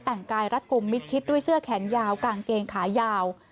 แต่งกายรัดกลุ่มมิดชิดด้วยเสื้อแขนยาวกางเกงขายาว